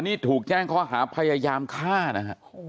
นี่ถูกแจ้งข้อหาพยายามฆ่านะฮะ